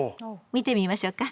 見てみましょうか。